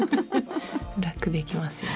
楽できますよね。